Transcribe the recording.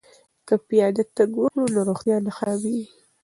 که پیاده تګ وکړو نو روغتیا نه خرابیږي.